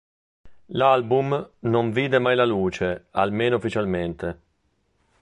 L'album non vide mai la luce, almeno ufficialmente.